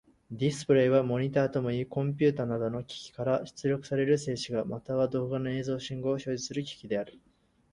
ディスプレイはモニタともいい、コンピュータなどの機器から出力される静止画、または動画の映像信号を表示する機器である。